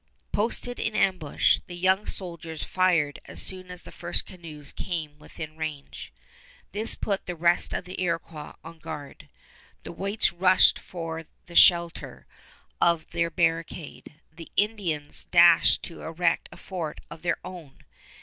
Posted in ambush, the young soldiers fired as soon as the first canoes came within range. This put the rest of the Iroquois on guard. The whites rushed for the shelter of their barricade. The Indians dashed to erect a fort of their own.